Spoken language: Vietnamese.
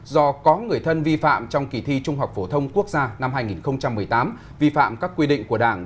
do có người thân vi phạm trong kỳ thi trung học phổ thông quốc gia năm hai nghìn một mươi tám vi phạm các quy định của đảng